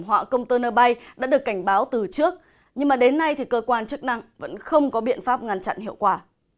họa công tơ nơ bay đã được cảnh báo từ trước nhưng đến nay cơ quan chức năng vẫn không có biện pháp ngăn chặn hiệu quả